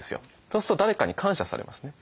そうすると誰かに感謝されますね。